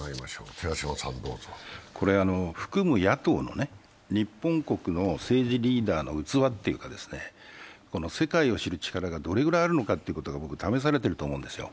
含む野党の日本国の政治リーダーの器というかですね、世界を知る力がどれくらいあるのかということが試されていると思うんですよ。